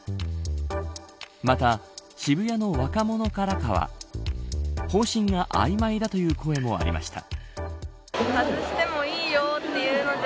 また、渋谷の若者からは方針が曖昧だという声もありました。